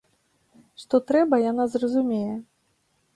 Што трэба яна зразумее.